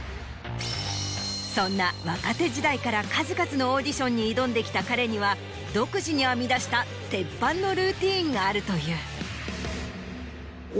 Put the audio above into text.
そんな若手時代から数々のオーディションに挑んできた彼には独自に編み出した鉄板のルーティーンがあるという。